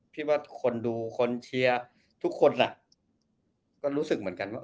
เพราะฉะนั้นคนดูคนเชียร์ทุกคนก็รู้สึกเหมือนกันว่า